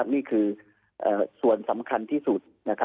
นี่คือส่วนสำคัญที่สุด